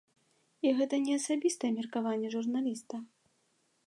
І гэта не асабістае меркаванне журналіста.